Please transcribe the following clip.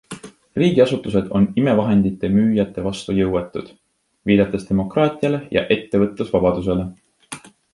Riigiasutused on imevahendite müüjate vastu jõuetud, viidates demokraatiale ja ettevõtlusvabadusele.